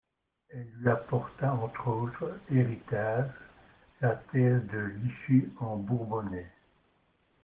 Elle lui apporta, entre autres héritages, la terre de Vichy-en-Bourbonnais.